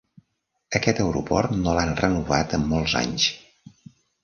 Aquest aeroport no l'han renovat en molts anys.